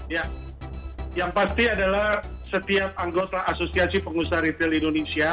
ya yang pasti adalah setiap anggota asosiasi pengusaha retail indonesia